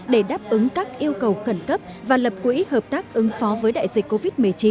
để đáp ứng các yêu cầu khẩn cấp và lập quỹ hợp tác ứng phó với đại dịch covid một mươi chín